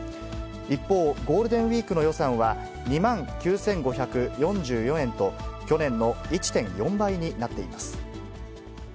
一方、ゴールデンウィークの予算は、２万９５４４円と、去年の１．４倍になっています。